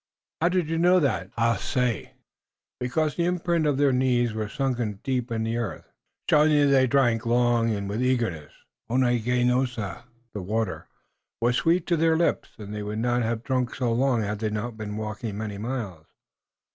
"How do you know, Haace?" "Because the imprints of their knees were sunk deep in the earth, showing that they drank long and with eagerness. Oneganosa (the water) was sweet to their lips, and they would not have drunk so long had they not been walking many miles.